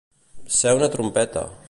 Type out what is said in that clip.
Ser una trompeta.